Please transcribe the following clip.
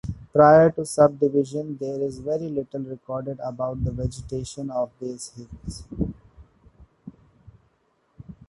Prior to subdivision there is very little recorded about the vegetation of the hills.